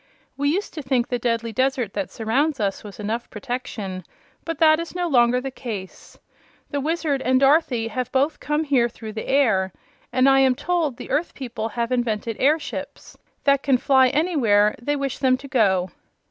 We used to think the deadly desert that surrounds us was enough protection; but that is no longer the case. The Wizard and Dorothy have both come here through the air, and I am told the earth people have invented airships that can fly anywhere they wish them to go."